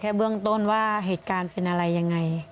เบื้องต้นว่าเหตุการณ์เป็นอะไรยังไง